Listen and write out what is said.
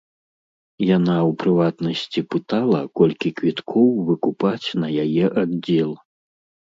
Яна, у прыватнасці, пытала, колькі квіткоў выкупаць на яе аддзел.